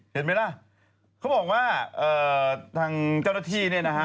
เห็นไหมล่ะเขาบอกว่าทางเจ้าหน้าที่เนี่ยนะฮะ